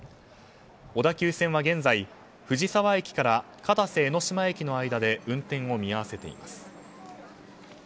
小田急線は現在、藤沢駅から片瀬江ノ島駅の間で運転を見合わせています。